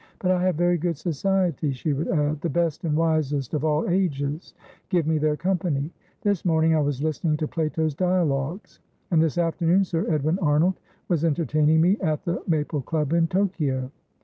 "But I have very good society," she would add; "the best and wisest of all ages give me their company. This morning I was listening to Plato's Dialogues, and this afternoon Sir Edwin Arnold was entertaining me at the Maple Club in Tokio.